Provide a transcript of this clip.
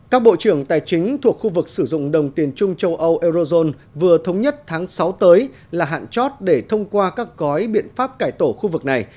các bộ trưởng tài chính thuộc khu vực sử dụng đồng tiền trung châu âu eurozone vừa thống nhất tháng sáu tới là hạn chót để thông qua các gói biện pháp cải tổ khu vực này